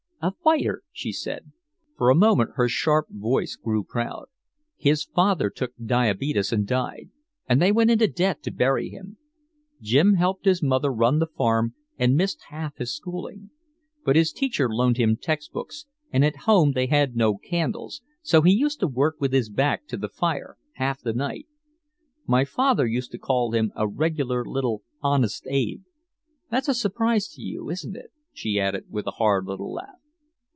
"A fighter," she said. For a moment her sharp voice grew proud. "His father took diabetes and died, and they went into debt to bury him. Jim helped his mother run the farm and missed half his schooling. But his teacher loaned him text books and at home they had no candles, so he used to work with his back to the fire half the night. My father used to call him a regular little Honest Abe. That's a surprise to you, isn't it," she added with a hard little laugh.